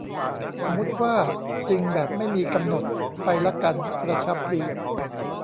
สมมติว่าจริงแบบไม่มีกำหนดไปละกัน กระชับดี